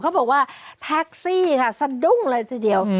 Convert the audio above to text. บอกว่าแท็กซี่ค่ะสะดุ้งเลยทีเดียว